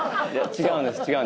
違うんです。